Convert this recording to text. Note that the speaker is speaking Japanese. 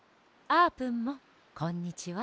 あーぷんもこんにちは。